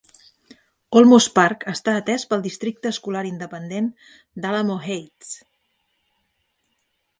Olmos Park està atès pel districte escolar independent d"Alamo Heights.